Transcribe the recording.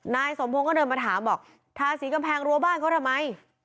นายสมพงศ์ก็เดินมาถามบอกทาสีกำแพงรั้วบ้านเขาทำไม